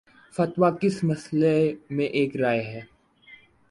فتوی کس مسئلے میں ایک رائے ہے۔